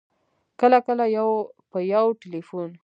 کله کله په یو ټېلفون